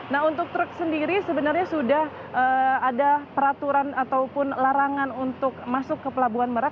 nah untuk truk sendiri sebenarnya sudah ada peraturan ataupun larangan untuk masuk ke pelabuhan merak